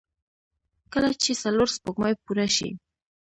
کله چې څلور سپوږمۍ پوره شي.